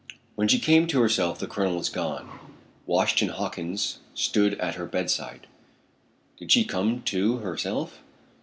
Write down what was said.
When she came to herself the Colonel was gone. Washington Hawkins stood at her bedside. Did she come to herself?